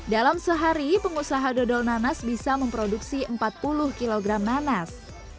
dalam sehari pengusaha dodol nanas bisa memproduksi empat puluh kg nanas